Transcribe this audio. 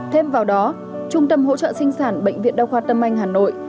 thêm vào đó trung tâm hỗ trợ sinh sản bệnh viện đa khoa tâm anh hà nội